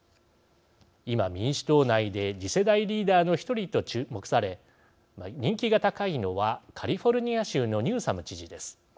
今民主党内で次世代リーダーの１人と注目され人気が高いのはカリフォルニア州のニューサム知事です。